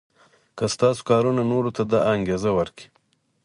که ستاسو کارونه نورو ته دا انګېزه ورکړي.